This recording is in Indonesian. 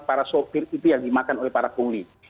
para sopir itu yang dimakan oleh para pungli